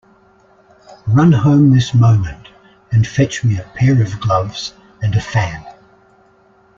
Run home this moment, and fetch me a pair of gloves and a fan!